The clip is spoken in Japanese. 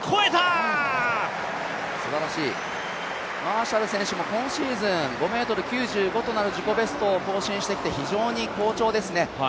すばらしい、マーシャル選手も今シーズン自己ベストを更新してきて非常に好調ですね。